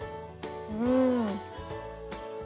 うん。